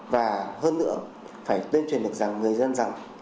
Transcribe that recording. và hơn nữa phải tuyên truyền được rằng người dân rằng